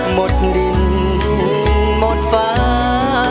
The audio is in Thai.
หมดดินหมดฟ้า